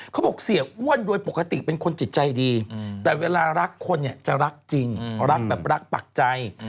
เขาบอกเสียอ้วนโดยปกติเป็นคนจิตใจดีแต่เวลารักคนเนี่ยจะรักจริงรักแบบรักปักใจ